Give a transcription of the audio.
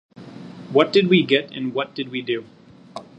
What did we get and what did we do?